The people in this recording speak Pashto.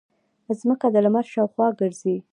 ځمکه د لمر شاوخوا ګرځي